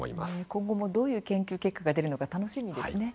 今後も、どういう研究結果が出るのか楽しみですね。